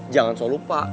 jangan soal lupa